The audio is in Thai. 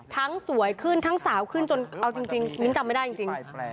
สวยขึ้นทั้งสาวขึ้นจนเอาจริงมิ้นจำไม่ได้จริง